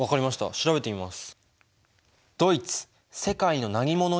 調べてみます。